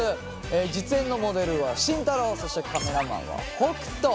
実演のモデルは慎太郎そしてカメラマンは北斗。